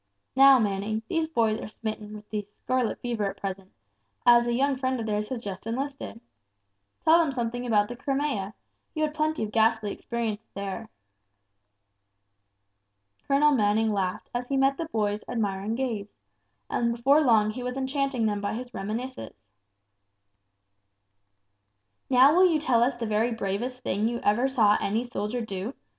Now, Manning, these boys are smitten with the 'scarlet fever' at present, as a young friend of theirs has just enlisted. Tell them something about the Crimea; you had plenty of ghastly experiences there." Colonel Manning laughed as he met the boys' admiring gaze, and before long he was enchanting them by his reminiscences. "Now will you tell us the very bravest thing that you ever saw any soldier do?"